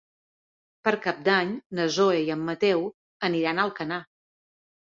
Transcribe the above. Per Cap d'Any na Zoè i en Mateu iran a Alcanar.